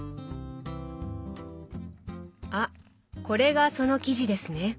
あこれがその生地ですね。